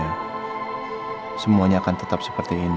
hai semuanya akan tetap seperti ini